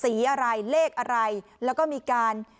สีอะไรเลขอะไรแล้วก็มีการ